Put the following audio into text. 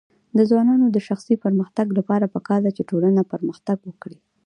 د ځوانانو د شخصي پرمختګ لپاره پکار ده چې ټولنه پرمختګ ورکړي.